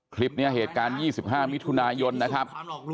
คลิปเนี่ยเหตุการณ์๒๕มิถุนายนนะครับ